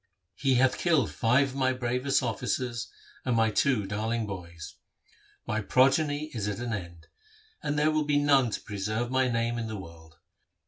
He hath killed five of my bravest officers and my two darling boys. My progeny is at an end, and there will be none to preserve my name in the world.'